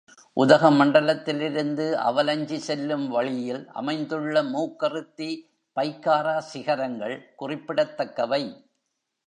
உதகமண்டலத்திலிருந்து அவலஞ்சி செல்லும் வழியில் அமைந்துள்ள மூக்கறுத்தி, பைக்காரா சிகரங்கள் குறிப்பிடத்தக்கவை.